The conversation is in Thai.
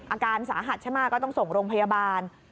อาการสาหัสใช่ไหมก็ต้องส่งโรงพยาบาล